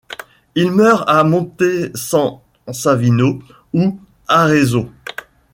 Il meurt à Monte San Savino ou Arezzo.